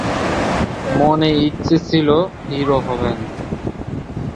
মনে ইচ্ছে ছিলো হিরো হবেন।